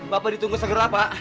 bapak ditunggu segera pak